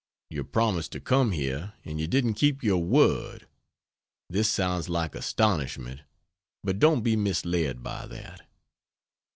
You promised to come here and you didn't keep your word. (This sounds like astonishment but don't be misled by that.)